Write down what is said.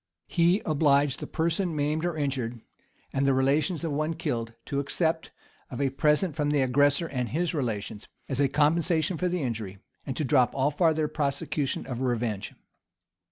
He obliged the person maimed or injured, and the relations of one killed, to accept of a present from the aggressor and his relations,[] as a compensation for the injury.[] and to drop all farther prosecution of revenge.